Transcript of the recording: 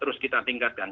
terus kita tingkatkan